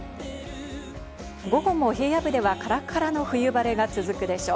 午後も平野部ではからからの冬晴れが続くでしょう。